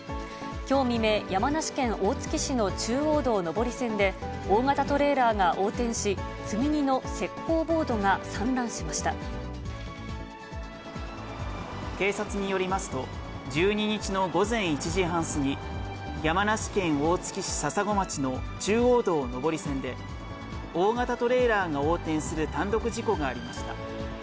きょう未明、山梨県大月市の中央道上り線で、大型トレーラーが横転し、積み荷警察によりますと、１２日の午前１時半過ぎ、山梨県大月市笹子町の中央道上り線で、大型トレーラーが横転する単独事故がありました。